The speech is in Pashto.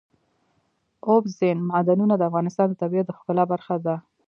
اوبزین معدنونه د افغانستان د طبیعت د ښکلا برخه ده.